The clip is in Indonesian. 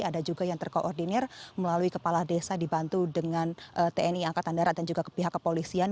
ada juga yang terkoordinir melalui kepala desa dibantu dengan tni angkatan darat dan juga pihak kepolisian